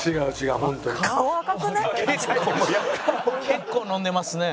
結構飲んでますね。